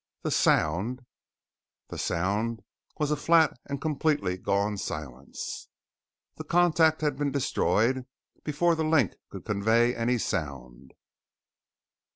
The sound The sound was a flat and completely gone silence. The contact had been destroyed before the link could convey any sound.